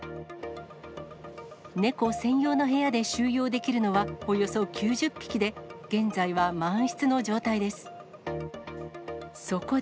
猫専用の部屋で収容できるのはおよそ９０匹で、現在は満室の状態です。